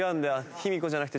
卑弥呼じゃなくて。